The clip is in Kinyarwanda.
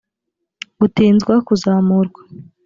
gutinzwa kuzamurwa